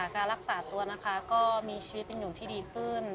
การรักษาตัวนะคะก็มีชีวิตเป็นอยู่ที่ดีขึ้น